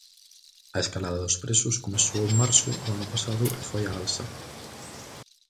A escalada dos prezos comezou en marzo do ano pasado e foi á alza.